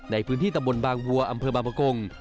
ในพื้นที่ตระบวนบางฮัวอำเภอบำผม